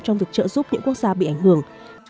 trong việc trợ giúp những quốc gia bị ảnh hưởng